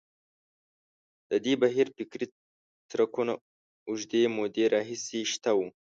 د دې بهیر فکري څرکونه اوږدې مودې راهیسې شته وو.